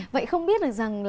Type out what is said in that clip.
vậy không biết được rằng